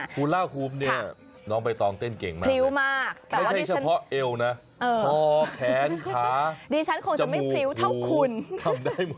ฮูล่าฮูบเนี่ยน้องใบตองเต้นเก่งมากเลยไม่ใช่เฉพาะเอวนะคอแขนขาจมูกหูทำได้หมด